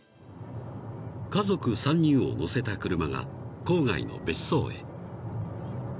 ［家族３人を乗せた車が郊外の別荘へ］